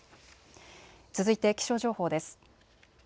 続いて気象情報です。